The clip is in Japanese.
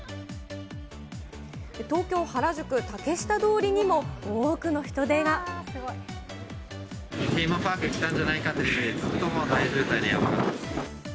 東京・原宿竹下通りにも多くテーマパークに来たんじゃないかってくらい、ずっと大渋滞でやばかったです。